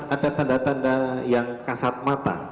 ada tanda tanda yang kasat mata